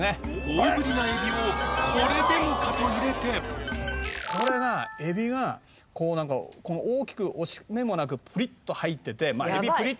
大ぶりな海老をこれでもかと入れてこれが海老がこう何か大きく惜しめもなくプリッと入っててまぁ海老プリ